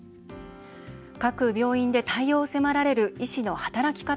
各病院で対応を迫られる医師の働き方改革。